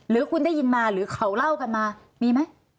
หรือคุณได้ยินมาหรือเขาเล่ากันมามีไหม